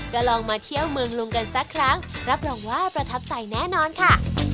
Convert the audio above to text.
ก็ลองมาเที่ยวเมืองลุงกันสักครั้งรับรองว่าประทับใจแน่นอนค่ะ